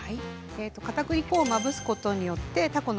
かたくり粉をまぶすことによってうん。